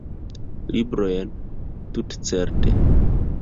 Librojn, tutcerte.